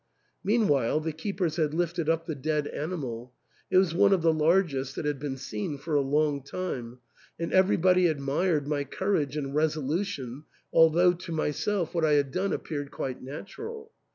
Meanwhile the keepers had lifted up the dead animal ; it was one of the largest that had been seen for a long time ; and everybody admired my courage and resolution, although to myself what I had done appeared quite natural.